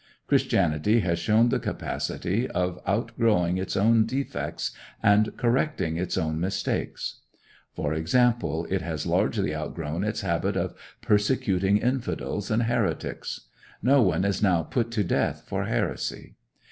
Christianity has shown the capacity of outgrowing its own defects and correcting its own mistakes. For example, it has largely outgrown its habit of persecuting infidels and heretics. No one is now put to death for heresy.